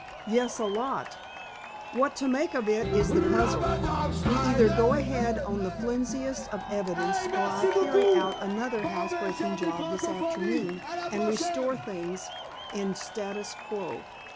"Yes, a lot. What to make of it is the puzzle. We either go ahead on the flimsiest of evidence or I carry out another housebreaking job this afternoon and restore things in status quo.